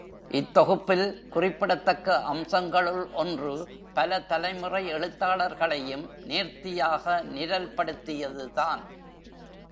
இத்தொகுப்பில் குறிப்பிடத்தக்க அம்சங்களுள் ஒன்று, பல தலைமுறை எழுத்தாளர்களையும் நேர்த்தியாக நிரல் படுத்தியதுதான்.